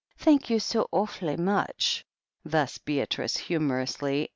Thank you so awf'ly much." Thus Beatrice, humorously.